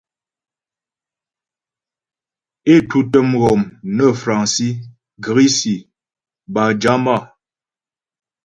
É tǔtə mghɔm nə́ fraŋsi, grisi bâ jama.